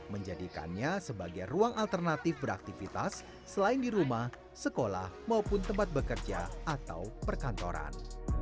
menjadikannya sebagai ruang alternatif beraktivitas selain di rumah sekolah maupun tempat bekerja atau perkantoran